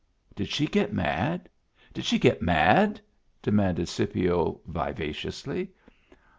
"Did she get mad? Did she get mad? "de manded Scipio, vivaciously.